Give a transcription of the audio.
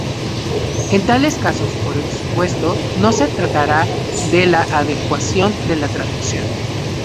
En tales casos, por supuesto, no se tratará de la adecuación de la traducción.